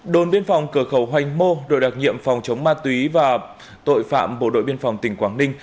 đồn biên phòng cửa khẩu hoành mô đội đặc nhiệm phòng chống ma túy và tội phạm bộ đội biên phòng tỉnh quảng ninh